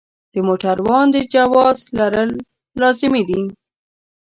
د موټروان د جواز لرل لازمي دي.